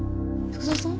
福造さん！